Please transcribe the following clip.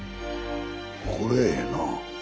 これええな。